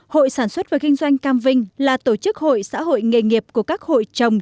hội sản xuất và kinh doanh cam vinh là tổ chức hội xã hội nghề nghiệp của các hội trồng